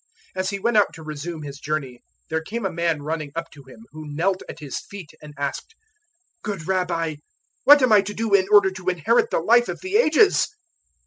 010:017 As He went out to resume His journey, there came a man running up to Him, who knelt at His feet and asked, "Good Rabbi, what am I to do in order to inherit the Life of the Ages?"